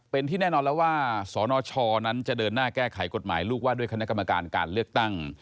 เป็นที่แน่นอนแล้วว่าสนชนั้นจะเดินหน้าแก้ไขกฎหมายลูกว่าด้วยคณะกรรมการการเลือกตั้ง